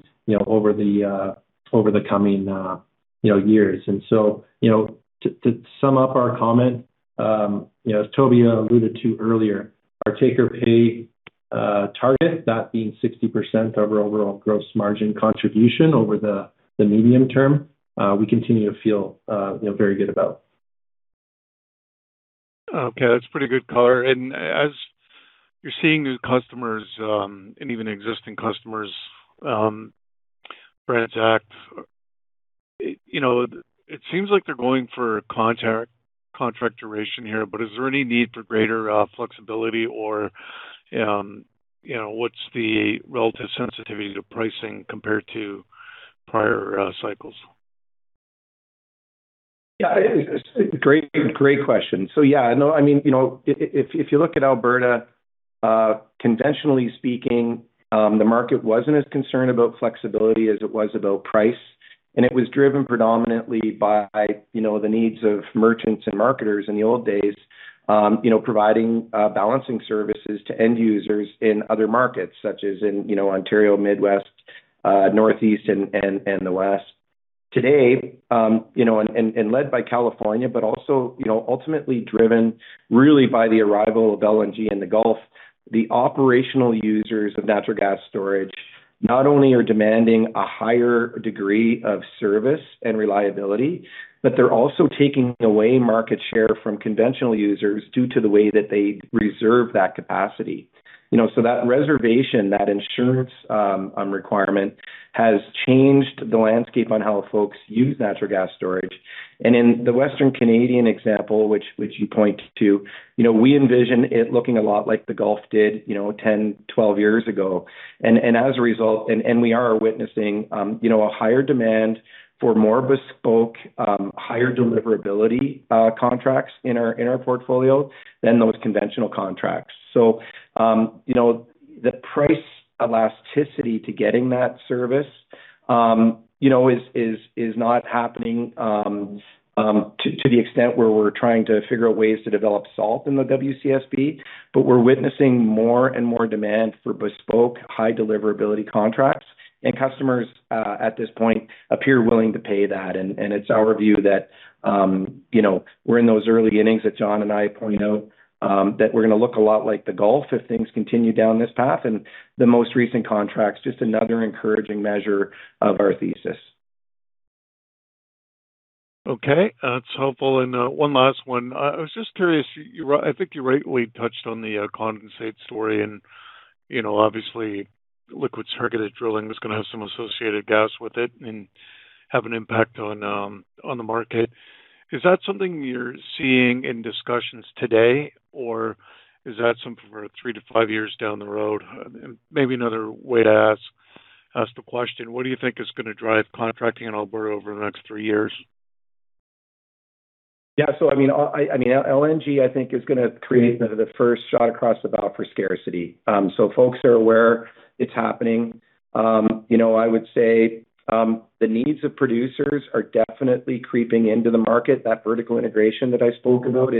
over the coming years. So to sum up our comment, as Toby alluded to earlier, our take-or-pay target, that being 60% of our overall gross margin contribution over the medium-term, we continue to feel very good about. Okay. That's pretty good color. As you're seeing new customers, and even existing customers transact, it seems like they're going for contract duration here, but is there any need for greater flexibility or what's the relative sensitivity to pricing compared to prior cycles? Great question. If you look at Alberta, conventionally speaking, the market wasn't as concerned about flexibility as it was about price. It was driven predominantly by the needs of merchants and marketers in the old days, providing balancing services to end users in other markets such as in Ontario, Midwest, Northeast, and the West. Today, led by California, but also ultimately driven really by the arrival of LNG in the Gulf, the operational users of natural gas storage not only are demanding a higher degree of service and reliability, but they're also taking away market share from conventional users due to the way that they reserve that capacity. That reservation, that insurance requirement, has changed the landscape on how folks use natural gas storage. In the Western Canadian example, which you point to, we envision it looking a lot like the Gulf did 10, 12 years ago. As a result, we are witnessing a higher demand for more bespoke, higher deliverability contracts in our portfolio than those conventional contracts. The price elasticity to getting that service is not happening to the extent where we're trying to figure out ways to develop salt in the WCSB, but we're witnessing more and more demand for bespoke high deliverability contracts. Customers, at this point, appear willing to pay that. It's our view that we're in those early innings that Jon and I point out, that we're going to look a lot like the Gulf if things continue down this path. The most recent contracts, just another encouraging measure of our thesis. That's helpful. One last one. I was just curious, I think you rightly touched on the condensate story and obviously liquid targeted drilling is going to have some associated gas with it and have an impact on the market. Is that something you're seeing in discussions today, or is that something for three to five years down the road? Maybe another way to ask the question, what do you think is going to drive contracting in Alberta over the next three years? LNG, I think, is going to create the first shot across the bow for scarcity. Folks are aware it's happening. I would say, the needs of producers are definitely creeping into the market. That vertical integration that I spoke about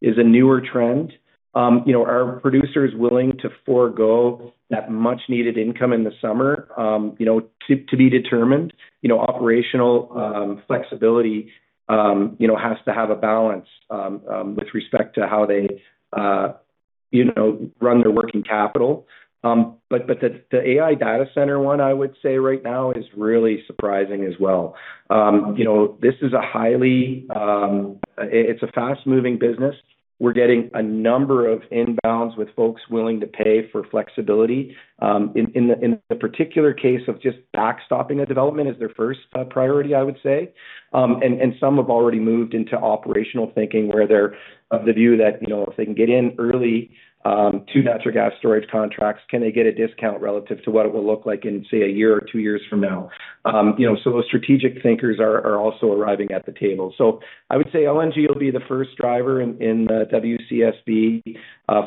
is a newer trend. Are producers willing to forego that much needed income in the summer? To be determined. Operational flexibility has to have a balance, with respect to how they run their working capital. The AI data center one, I would say right now, is really surprising as well. This is a fast moving business. We're getting a number of inbounds with folks willing to pay for flexibility. In the particular case of just backstopping a development is their first priority, I would say. Some have already moved into operational thinking where they're of the view that if they can get in early to natural gas storage contracts, can they get a discount relative to what it will look like in, say, a year or two years from now? Those strategic thinkers are also arriving at the table. I would say LNG will be the first driver in the WCSB,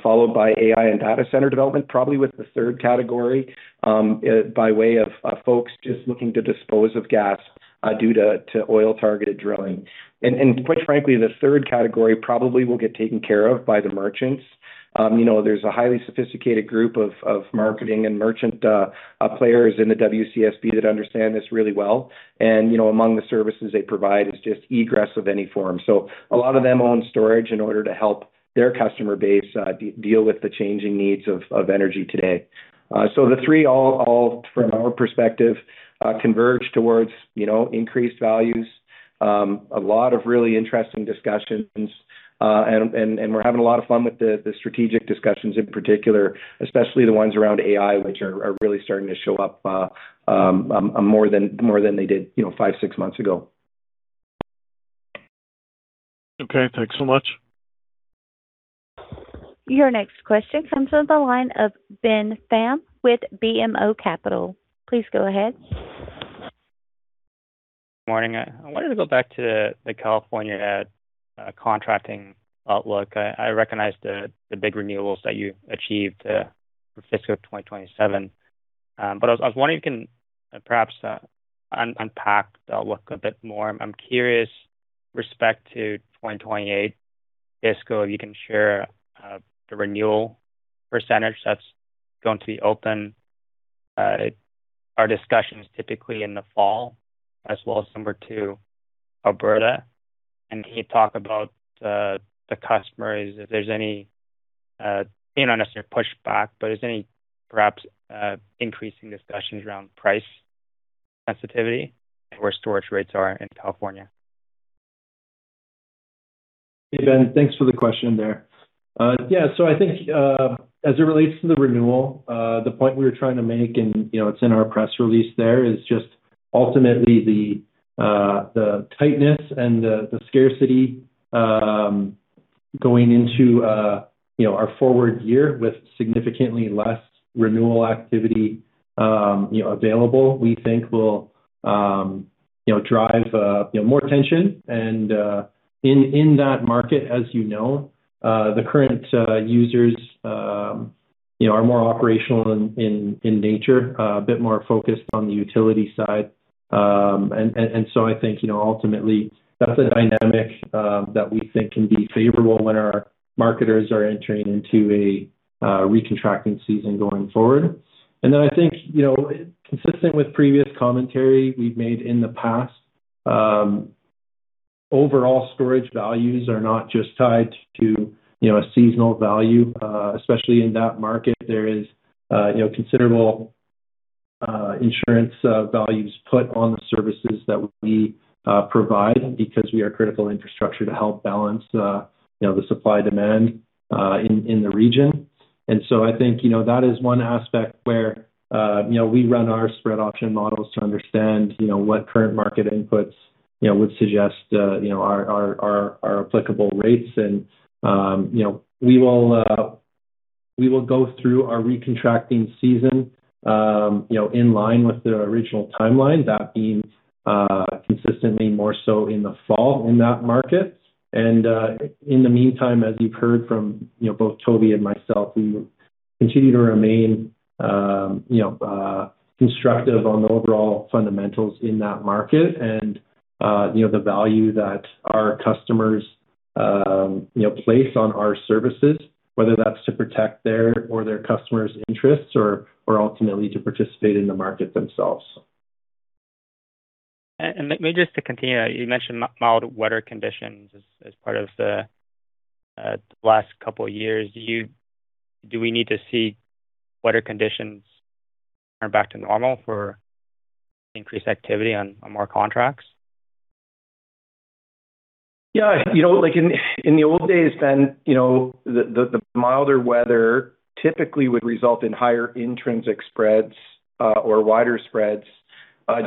followed by AI and data center development, probably with the third category, by way of folks just looking to dispose of gas due to oil targeted drilling. Quite frankly, the third category probably will get taken care of by the merchants. There's a highly sophisticated group of marketing and merchant players in the WCSB that understand this really well. Among the services they provide is just egress of any form. A lot of them own storage in order to help their customer base deal with the changing needs of energy today. The three all, from our perspective, converge towards increased values. A lot of really interesting discussions, and we're having a lot of fun with the strategic discussions in particular, especially the ones around AI, which are really starting to show up more than they did five, six months ago. Okay. Thanks so much. Your next question comes from the line of Ben Pham with BMO Capital. Please go ahead. Morning. I wanted to go back to the California contracting outlook. I recognize the big renewals that you achieved for fiscal 2027. I was wondering if you can perhaps unpack the outlook a bit more. I am curious, respect to 2028 fiscal, you can share the renewal percentage that's going to be open. Are discussions typically in the fall, as well as number two, Alberta? Can you talk about the customers if there's any, not necessarily pushback, but is there any perhaps increasing discussions around price sensitivity and where storage rates are in California? Hey, Ben. Thanks for the question there. Yeah. I think, as it relates to the renewal, the point we were trying to make and it's in our press release there, is just ultimately the tightness and the scarcity, going into our forward year with significantly less renewal activity available, we think will drive more tension. In that market, as you know, the current users are more operational in nature, a bit more focused on the utility side. I think, ultimately, that's a dynamic that we think can be favorable when our marketers are entering into a recontracting season going forward. I think, consistent with previous commentary we've made in the past, overall storage values are not just tied to a seasonal value, especially in that market. There is considerable insurance values put on the services that we provide because we are critical infrastructure to help balance the supply-demand in the region. I think that is one aspect where we run our spread option models to understand what current market inputs would suggest are applicable rates. We will go through our recontracting season in line with the original timeline, that being consistently more so in the fall in that market. In the meantime, as you've heard from both Toby and myself, we continue to remain constructive on the overall fundamentals in that market and the value that our customers place on our services, whether that's to protect their or their customers' interests or ultimately to participate in the market themselves. Maybe just to continue, you mentioned mild weather conditions as part of the last couple of years. Do we need to see weather conditions turn back to normal for increased activity on more contracts? Yeah. In the old days, the milder weather typically would result in higher intrinsic spreads or wider spreads,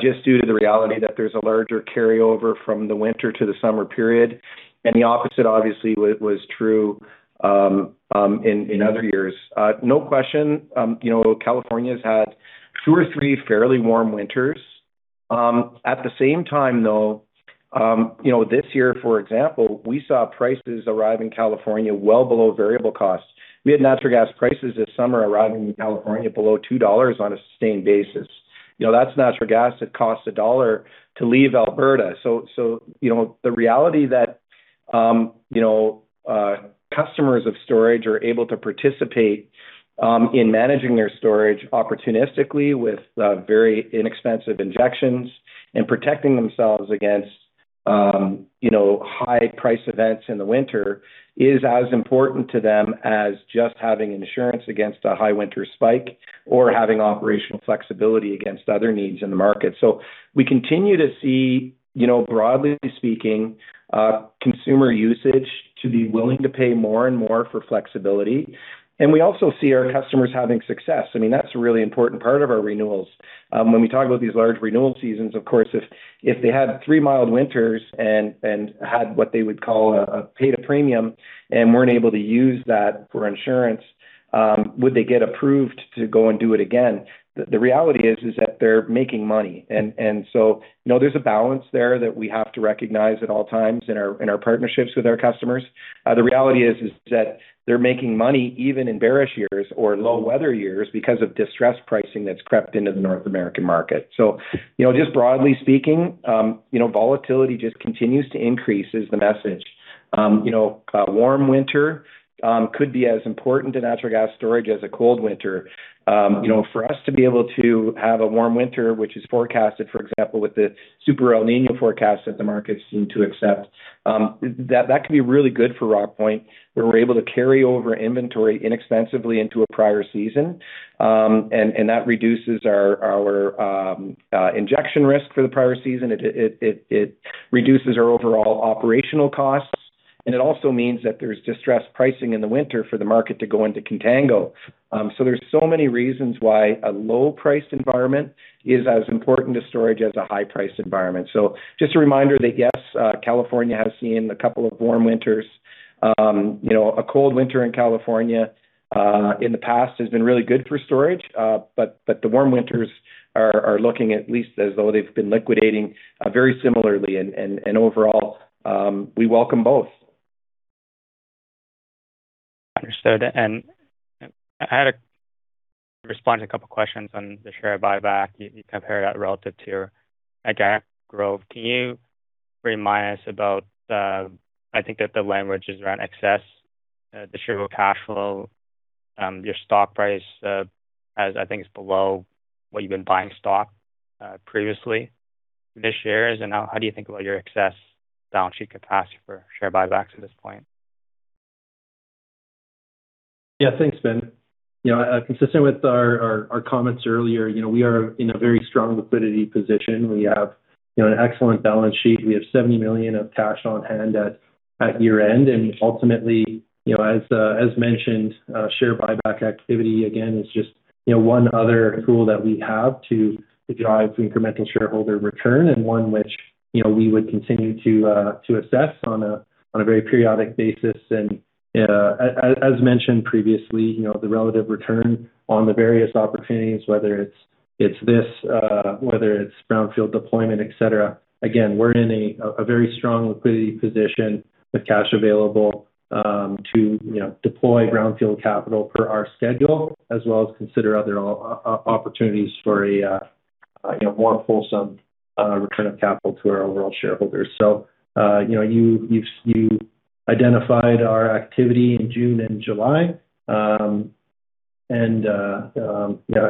just due to the reality that there's a larger carryover from the winter to the summer period. The opposite, obviously, was true in other years. No question, California has had two or three fairly warm winters. At the same time, though, this year, for example, we saw prices arrive in California well below variable costs. We had natural gas prices this summer arriving in California below $2 on a sustained basis. That's natural gas that costs $1 to leave Alberta. The reality that customers of storage are able to participate in managing their storage opportunistically with very inexpensive injections and protecting themselves against high price events in the winter is as important to them as just having insurance against a high winter spike or having operational flexibility against other needs in the market. We continue to see, broadly speaking, consumer usage to be willing to pay more and more for flexibility. We also see our customers having success. That's a really important part of our renewals. When we talk about these large renewal seasons, of course, if they had three mild winters and had what they would call paid a premium and weren't able to use that for insurance, would they get approved to go and do it again? The reality is that they're making money. There's a balance there that we have to recognize at all times in our partnerships with our customers. The reality is that they're making money even in bearish years or low weather years because of distressed pricing that's crept into the North American market. Just broadly speaking, volatility just continues to increase is the message. A warm winter could be as important to natural gas storage as a cold winter. For us to be able to have a warm winter, which is forecasted, for example, with the Super El Niño forecast that the markets seem to accept, that could be really good for Rockpoint, where we're able to carry over inventory inexpensively into a prior season. That reduces our injection risk for the prior season. It reduces our overall operational costs. It also means that there's distressed pricing in the winter for the market to go into contango. There's so many reasons why a low-priced environment is as important to storage as a high-priced environment. Just a reminder that, yes, California has seen a couple of warm winters. A cold winter in California, in the past, has been really good for storage. The warm winters are looking at least as though they've been liquidating very similarly and overall, we welcome both. Understood. I had to respond to a couple of questions on the share buyback. You compared that relative to organic growth. Can you remind us about the, I think that the language is around excess distributable cash flow. Your stock price as I think is below what you've been buying stock previously this year. How do you think about your excess balance sheet capacity for share buybacks at this point? Yeah. Thanks, Ben. Consistent with our comments earlier, we are in a very strong liquidity position. We have an excellent balance sheet. We have 70 million of cash on hand at year-end. Ultimately, as mentioned, share buyback activity, again, is just one other tool that we have to drive incremental shareholder return and one which we would continue to assess on a very periodic basis. As mentioned previously, the relative return on the various opportunities, whether it's this, whether it's brownfield deployment, et cetera. Again, we're in a very strong liquidity position with cash available to deploy brownfield capital per our schedule as well as consider other opportunities for a more fulsome return of capital to our overall shareholders. You identified our activity in June and July.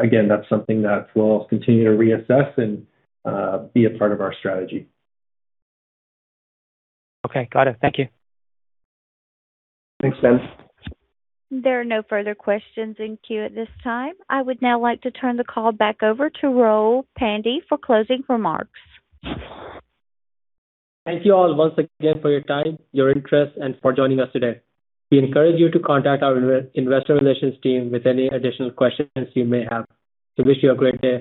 Again, that's something that we'll continue to reassess and be a part of our strategy. Okay. Got it. Thank you. Thanks, Ben. There are no further questions in queue at this time. I would now like to turn the call back over to Rahul Pandey for closing remarks. Thank you all once again for your time, your interest, and for joining us today. We encourage you to contact our investor relations team with any additional questions you may have. We wish you a great day.